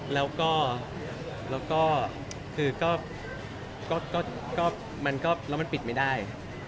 แล้วก็มันปิดไม่ได้